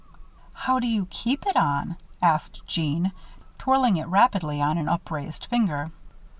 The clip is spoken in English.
"How do you keep it on?" asked Jeanne, twirling it rapidly on an upraised finger.